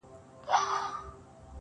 • زړه مي له رباب سره ياري کوي.